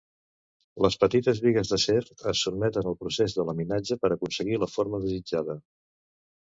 Les petites bigues d'acer es sotmeten al procés de laminatge per aconseguir la forma desitjada.